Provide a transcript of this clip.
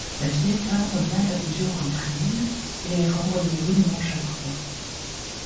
La vieille femme revient à plusieurs reprises et est renvoyée rudement chaque fois.